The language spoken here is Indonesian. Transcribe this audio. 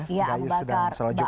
gayus dan soal jumat